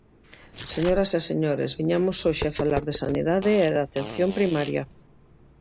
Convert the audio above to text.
Señoras e señores, viñamos hoxe a falar de sanidade e de atención primaria.